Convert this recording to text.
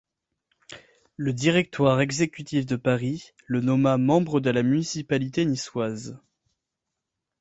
Le Directoire exécutif de Paris le nomma membre de la municipalité niçoise.